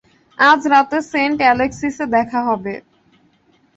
আজ রাতে সেন্ট অ্যালেক্সিসে দেখা হবে।